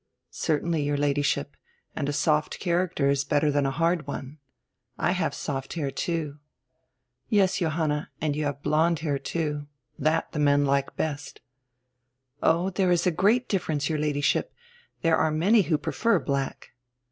"Certainly, your Ladyship. And a soft character is better than a hard one. I have soft hair, too." "Yes, Johanna. And you have blonde hair, too. That the men like best" "Oh, there is a great difference, your Ladyship. There are many who prefer black."